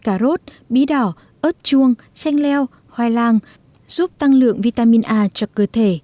cà rốt bí đỏ ớt chuông xanh leo khoai lang giúp tăng lượng vitamin a cho cơ thể